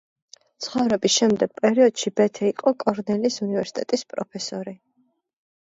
ცხოვრების შემდგომ პერიოდში ბეთე იყო კორნელის უნივერსიტეტის პროფესორი.